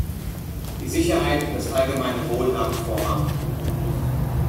Die Sicherheit und das allgemeine Wohl haben Vorrang.